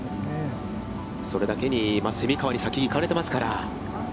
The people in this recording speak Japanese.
それだけに蝉川に先に行かれてますから。